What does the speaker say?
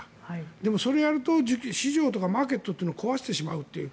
でもそれをやると市場とかマーケットを壊してしまうという。